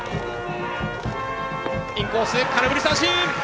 インコース、空振り三振！